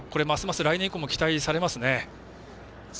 ますます来年以降も期待されますね。